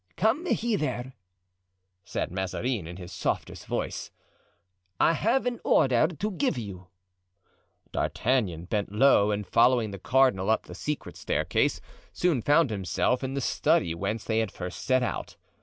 "Come hither," said Mazarin in his softest voice; "I have an order to give you." D'Artagnan bent low and following the cardinal up the secret staircase, soon found himself in the study whence they had first set out.